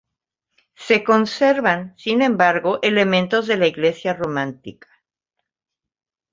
Se conservan, sin embargo, elementos de la iglesia románica.